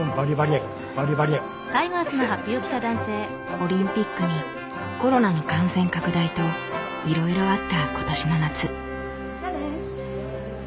オリンピックにコロナの感染拡大といろいろあった今年の夏。